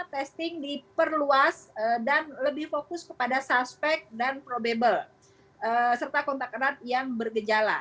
testing diperluas dan lebih fokus kepada suspek dan probable serta kontak erat yang bergejala